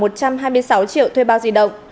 một trăm hai mươi sáu triệu thuê bao di động